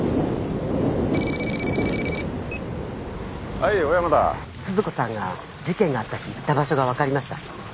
はい小山田鈴子さんが事件があった日行った場所が分かりました